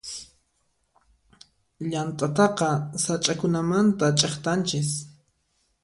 Llant'ataqa sach'akunamanta ch'iktanchis.